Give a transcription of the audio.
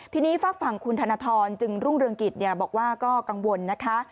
ทีนี้ฝากฝั่งคุณธนทรจึงรุ่งเรืองกิจบอกว่าก็กังวลนะคะ